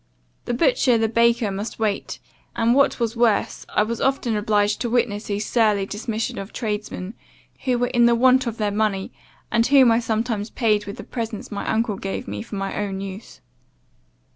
The butcher, the baker, must wait; and, what was worse, I was often obliged to witness his surly dismission of tradesmen, who were in want of their money, and whom I sometimes paid with the presents my uncle gave me for my own use.